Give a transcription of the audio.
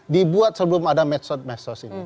dibuat sebelum ada metsos ini